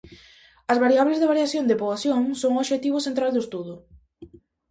As variables de variación de poboación son o obxectivo central do estudo.